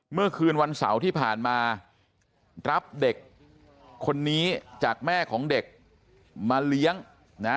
เมื่อคืนวันเสาร์ที่ผ่านมารับเด็กคนนี้จากแม่ของเด็กมาเลี้ยงนะ